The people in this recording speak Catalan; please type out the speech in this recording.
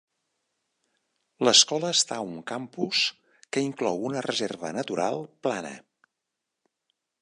L'escola està a un campus que inclou una reserva natural plana.